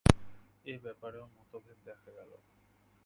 এই ব্যাপারেও মতভেদ দেখা গেল।